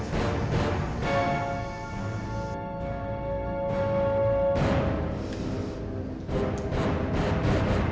mengapa tidak berhubung kebiar dit